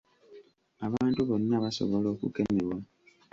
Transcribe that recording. Abantu bonna basobola okukemebwa.